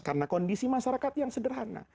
karena kondisi masyarakat yang sederhana